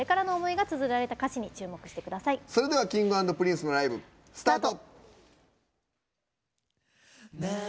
それではＫｉｎｇ＆Ｐｒｉｎｃｅのライブ、スタート。